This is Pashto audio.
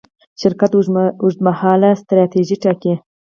شرکت اوږدمهاله ستراتیژي ټاکي.